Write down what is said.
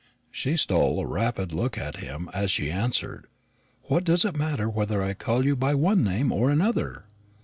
She stole a rapid look at him as she answered, "What does it matter whether I call you by one name or another?"